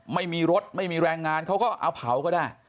ไม่มีรถไม่มีแรงงานเขาก็เอาเผาก็ได้